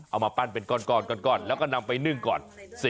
เอามาปั้นเป็นก้อนแล้วก็นำไปนึ่งก่อน